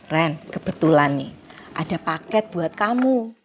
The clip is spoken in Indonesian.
ren kebetulan nih ada paket buat kamu